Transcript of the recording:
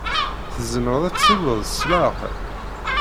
Tzemreḍ ad tessiwleḍ s leɛqel?